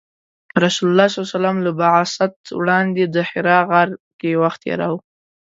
رسول الله ﷺ له بعثت وړاندې د حرا غار کې وخت تیراوه .